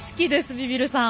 ビビるさん。